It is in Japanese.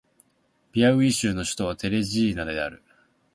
ピアウイ州の州都はテレジーナである